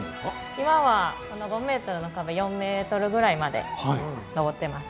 今は５ｍの壁を４ｍぐらいまで登ってます。